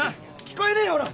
聞こえねえよほら。